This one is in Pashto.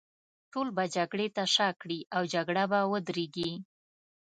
ټول به جګړې ته شا کړي، او جګړه به ودرېږي.